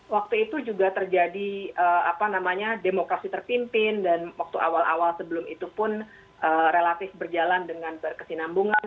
waktu itu juga terjadi demokrasi terpimpin dan waktu awal awal sebelum itu pun relatif berjalan dengan berkesinambungan